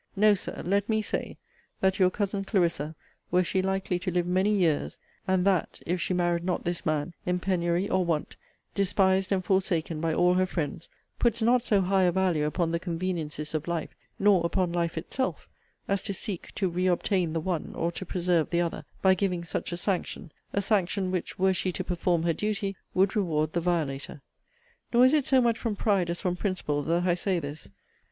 No, Sir, let me say, that your cousin Clarissa, were she likely to live many years, and that (if she married not this man) in penury or want, despised and forsaken by all her friends, puts not so high a value upon the conveniencies of life, nor upon life itself, as to seek to re obtain the one, or to preserve the other, by giving such a sanction: a sanction, which (were she to perform her duty,) would reward the violator. Nor is it so much from pride as from principle that I say this.